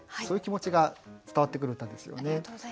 そういう気持ちが伝わってくる歌ですよね。